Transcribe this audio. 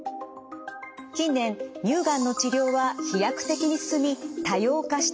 近年乳がんの治療は飛躍的に進み多様化しています。